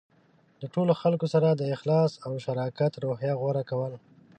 د ټولو خلکو سره د اخلاص او شراکت روحیه غوره کول.